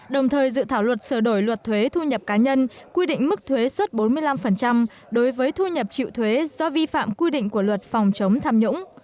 đồng thời dự thảo luật sửa đổi luật thuế thu nhập cá nhân quy định mức thuế suốt bốn mươi năm đối với thu nhập chịu thuế do vi phạm quy định của luật phòng chống tham nhũng